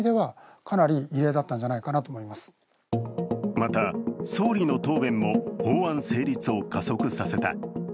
また、総理の答弁も法案成立を加速させた。